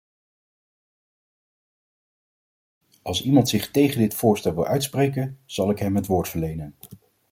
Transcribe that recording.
Als iemand zich tegen dit voorstel wil uitspreken, zal ik hem het woord verlenen.